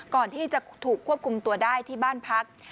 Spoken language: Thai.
ก่อนที่จะถูกควบคุมตัวได้ที่บ้านพัก